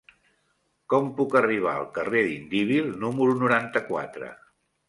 Com puc arribar al carrer d'Indíbil número noranta-quatre?